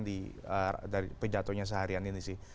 dari pidatonya seharian ini sih